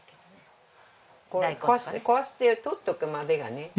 こうして取っておくまでがね。